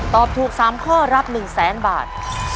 ตอบถูก๓ข้อรับ๑๐๐๐๐๐บาท